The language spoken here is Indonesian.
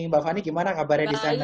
mbak fanny gimana kabarnya di sana